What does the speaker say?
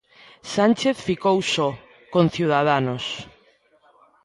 Sánchez ficou só, con Ciudadanos.